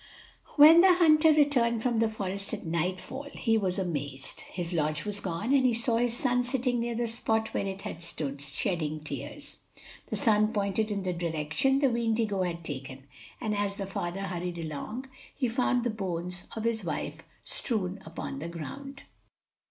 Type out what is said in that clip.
When the hunter returned from the forest at nightfall, he was amazed. His lodge was gone, and he saw his son sitting near the spot where it had stood, shedding tears. The son pointed in the direction the Ween digo had taken, and as the father hurried along he found the bones of his wife strewn upon the ground.